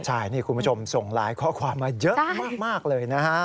ใช่นี่คุณผู้ชมส่งไลน์ข้อความมาเยอะมากเลยนะฮะ